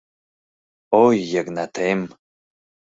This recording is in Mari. Ой, Йыгнатем...